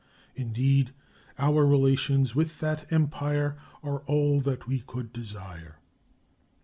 Indeed, our relations with that Empire are all that we could desire.